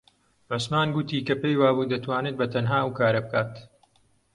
عوسمان گوتی کە پێی وابوو دەتوانێت بەتەنها ئەو کارە بکات.